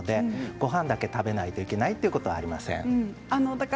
ごはんだけ食べないといけないということもありません。